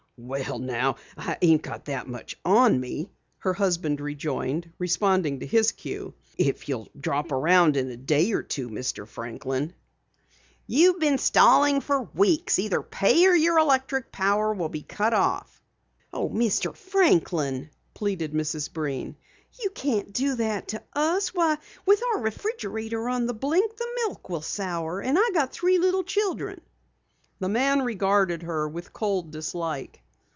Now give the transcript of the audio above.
"Well, now, I ain't got that much on me," her husband rejoined, responding to his cue. "If you'll drop around in a day or two, Mr. Franklin " "You've been stalling for weeks! Either pay or your electric power will be cut off!" "Oh, Mr. Franklin," pleaded Mrs. Breen, "you can't do that to us. Why, with our refrigerator on the blink, the milk will sour. And I got three little children." The man regarded her with cold dislike.